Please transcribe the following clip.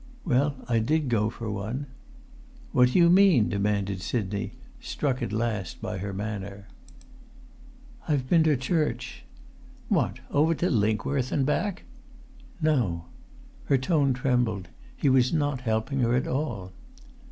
"Well, I did go for one." "What do you mean?" demanded Sidney, struck at last by her manner. [Pg 327]"I've been to church!" "What! Over to Linkworth and back?" "No." Her tone trembled; he was not helping her at all.